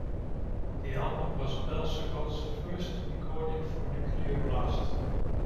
The album was Bal-Sagoth's first recording for Nuclear Blast.